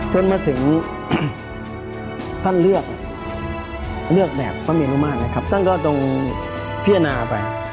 จนมาถึงท่านเลือกเลือกแบบพระเมรุมาตรนะครับท่านก็จงพิจารณาไป